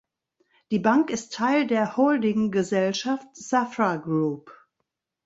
Die Bank ist Teil der Holdinggesellschaft Safra Group.